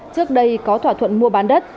trước đây có thỏa thuận mua bán đất